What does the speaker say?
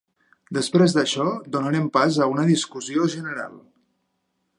Després d'això, donarem pas a una discussió general.